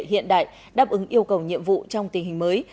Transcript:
hiện đại đáp ứng yêu cầu nhiệm vụ trong tình hình mới